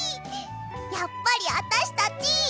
やっぱりあたしたち。